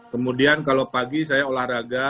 kemudian kalau pagi saya olahraga